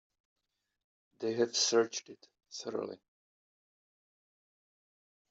They have searched it thoroughly.